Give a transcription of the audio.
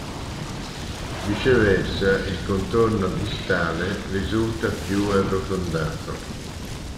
Viceversa il contorno distale risulta più arrotondato.